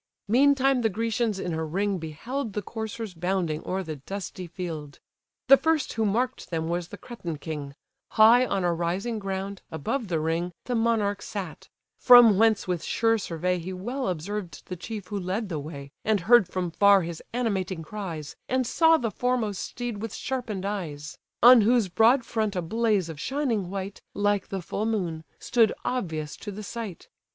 Meantime the Grecians in a ring beheld The coursers bounding o'er the dusty field. The first who mark'd them was the Cretan king; High on a rising ground, above the ring, The monarch sat: from whence with sure survey He well observed the chief who led the way, And heard from far his animating cries, And saw the foremost steed with sharpen'd eyes; On whose broad front a blaze of shining white, Like the full moon, stood obvious to the sight.